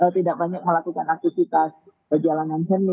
tidak banyak melakukan aktivitas perjalanan seni dan lain macam itu ya mbak desi